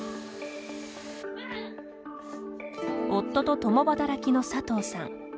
夫と共働きの佐藤さん。